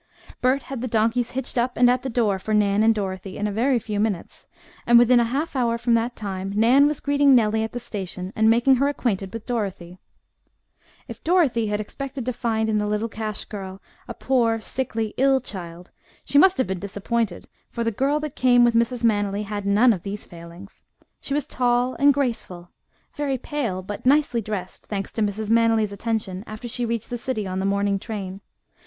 Bert had the donkeys hitched up and at the door for Nan and Dorothy in a very few minutes, and within a half hour from that time Nan was greeting Nellie at the station, and making her acquainted with Dorothy. If Dorothy had expected to find in the little cash girl a poor, sickly, ill child, she must have been disappointed, for the girl that came with Mrs. Manily had none of these failings. She was tall and graceful, very pale, but nicely dressed, thanks to Mrs. Manily's attention after she reached the city on the morning train.